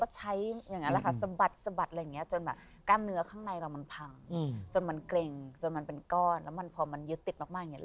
จนมันเกร็งจนมันเป็นก้อนแล้วพอมันยึดติดมากเนี่ย